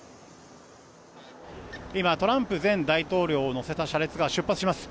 今、トランプ前大統領を乗せた車列が出発します。